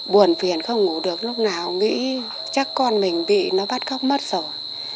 buồn phiền không ngủ được lúc nào nghĩ chắc con mình bị nó bắt cóc mất rồi